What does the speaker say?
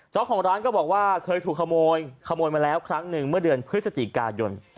เจ้าของร้านก็บอกว่าเคยถูกขโมยขโมยมาแล้วครั้งหนึ่งเมื่อเดือนพฤศจิกายน